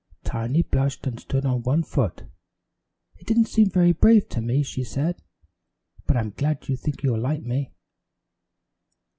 Tiny blushed and stood on one foot. "It didn't seem very brave to me," she said, "but I'm glad you think you'll like me."